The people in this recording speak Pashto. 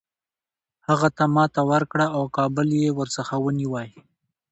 هغه ته ماته ورکړه او کابل یې ورڅخه ونیوی.